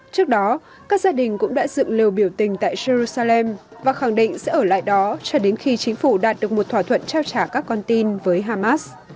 trước đó các gia đình cũng đã dựng lều biểu tình tại jerusalem và khẳng định sẽ ở lại đó cho đến khi chính phủ đạt được một thỏa thuận trao trả các con tin với hamas